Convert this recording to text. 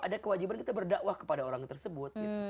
ada kewajiban kita berdakwah kepada orang tersebut